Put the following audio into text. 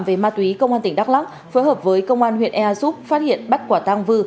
về ma túy công an tỉnh đắk lắc phối hợp với công an huyện ea súp phát hiện bắt quả tăng vư